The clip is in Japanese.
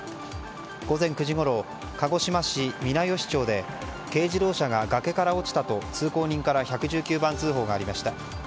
午前９時ごろ鹿児島市皆与志町で軽自動車が崖から落ちたと通行人から１１９番通報がありました。